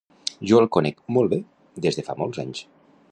Jo el conec molt bé de fa molts anys.